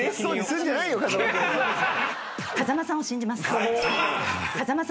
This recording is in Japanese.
風間さんを信じます。